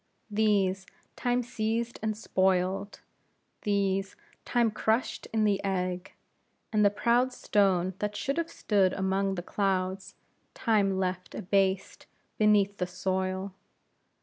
These Time seized and spoiled; these Time crushed in the egg; and the proud stone that should have stood among the clouds, Time left abased beneath the soil.